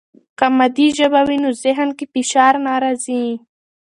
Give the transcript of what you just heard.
که مادي ژبه وي، نو ذهن کې فشار نه راځي.